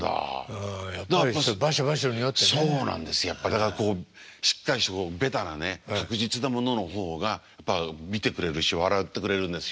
だからしっかりしたベタなね確実なものの方がやっぱ見てくれるし笑ってくれるんですよね。